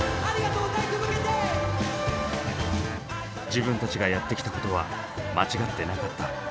自分たちがやってきたことは間違ってなかった。